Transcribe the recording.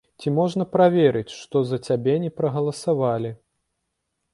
Ці можна праверыць, што за цябе не прагаласавалі?